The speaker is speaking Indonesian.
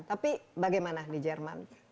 tapi bagaimana di jerman